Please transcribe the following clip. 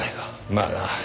まあな。